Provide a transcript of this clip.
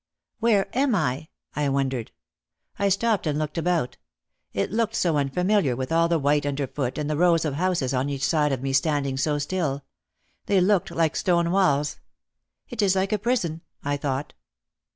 "Where am I ?" I wondered. I stopped and looked about. It looked so unfamiliar with all the white under foot and the rows of houses on each side of me standing so still. They looked like stone walls. "It is like a prison," I thought.